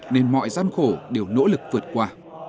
nên mọi gian khổ đều nỗ lực vượt qua